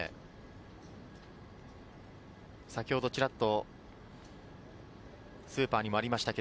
先ほどチラっとスーパーにもありましたが、